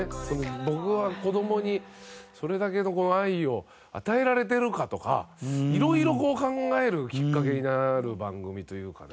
僕は子どもにそれだけの愛を与えられてるかとかいろいろ考えるきっかけになる番組というかね。